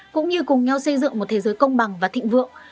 cũng như cùng nhau xây dựng một thế giới công bằng và thịnh vượng